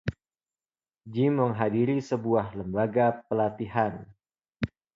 Jim menghadiri sebuah lembaga pelatihan.